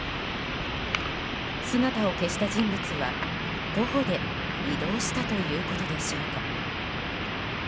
姿を消した人物は、徒歩で移動したということでしょうか。